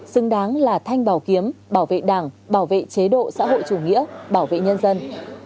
xứng đáng là thanh bảo kiếm bảo vệ đảng bảo vệ chế độ xã hội chủ nghĩa bảo vệ nhân dân